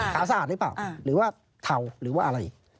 สะอาดหรือเปล่าหรือว่าเทาหรือว่าอะไร